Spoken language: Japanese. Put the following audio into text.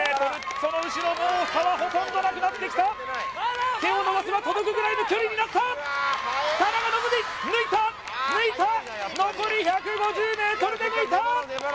その後ろもう差はほとんどなくなってきた手を伸ばせば届くぐらいの距離になった田中希実抜いた抜いた残り１５０ｍで抜いた！